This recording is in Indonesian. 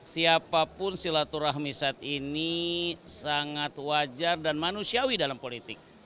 siapapun silaturahmi saat ini sangat wajar dan manusiawi dalam politik